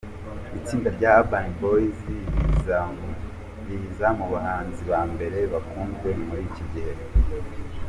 Itsinda rya Urban Boyz, riza mu bahanzi ba mbere bakunzwe muri iki gihe.